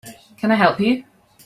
Can I help you?